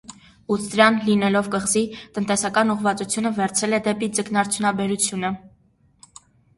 Ուտսիրան, լինելով կղզի, տնտեսական ուղվածությունը վերցրել է դեպի ձկնաարդյունաբերությունը։